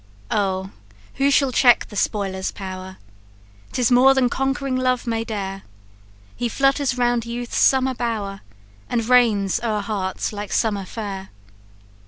"Oh, who shall check the spoiler's power? 'Tis more than conquering love may dare; He flutters round youth's summer bower, And reigns o'er hearts like summer fair.